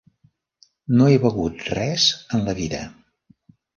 No he begut res en la vida.